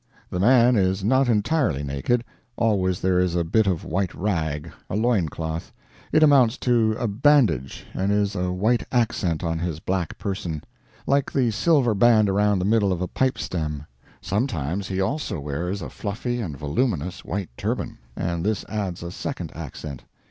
The man is not entirely naked; always there is a bit of white rag, a loin cloth; it amounts to a bandage, and is a white accent on his black person, like the silver band around the middle of a pipe stem. Sometimes he also wears a fluffy and voluminous white turban, and this adds a second accent.